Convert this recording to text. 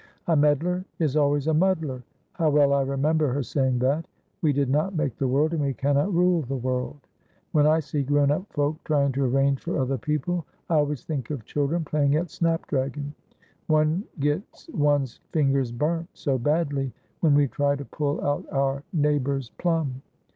'A meddler is always a muddler;' how well I remember her saying that. We did not make the world, and we cannot rule the world. When I see grown up folk trying to arrange for other people, I always think of children playing at snap dragon. One gets one's fingers burnt so badly when we try to pull out our neighbour's plum.